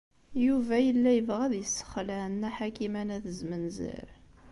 Yuba yella yebɣa ad yessexleɛ Nna Ḥakima n At Zmenzer.